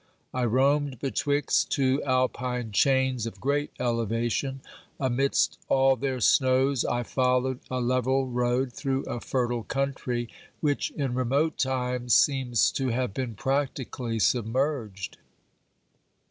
I roamed betwixt two Alpine chains of great elevation ; amidst all their snows I followed a level road through a fertile country, which in remote times seems to have been practically submerged.